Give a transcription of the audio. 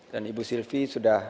dan ibu sylvie sudah